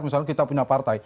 misalnya kita punya partai